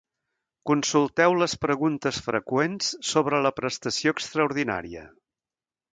Consulteu les preguntes freqüents sobre la prestació extraordinària.